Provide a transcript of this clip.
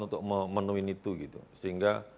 untuk memenuhi itu gitu sehingga